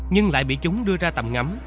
nhưng lại bị chúng đưa ra tầm ngắm